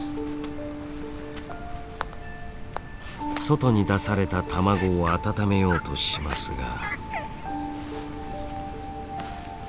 外に出された卵を温めようとしますが。